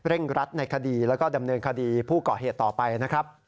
รัดในคดีแล้วก็ดำเนินคดีผู้ก่อเหตุต่อไปนะครับ